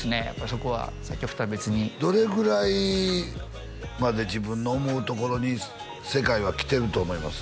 そこは作曲とは別にどれぐらいまで自分の思うところに世界は来てると思います？